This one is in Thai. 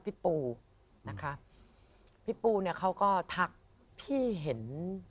พี่ปูก็ทักว่าพี่เห็น